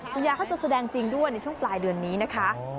คุณยายเขาจะแสดงจริงด้วยในช่วงปลายเดือนนี้นะคะ